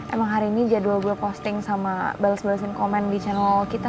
emang hari ini jadwal gue posting sama bales balesin komen di channel kita